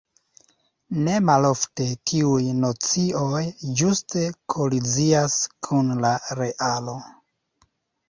Ne malofte tiuj nocioj ĝuste kolizias kun la realo.